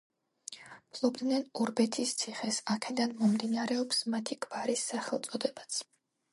ფლობდნენ ორბეთის ციხეს, აქედან მომდინარეობს მათი გვარის სახელწოდებაც.